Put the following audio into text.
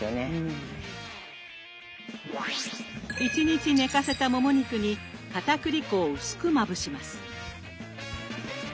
１日寝かせたもも肉にかたくり粉を薄くまぶします。